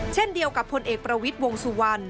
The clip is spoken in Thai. เช่นเดียวกับพลเอกประวิทย์วงสุวรรณ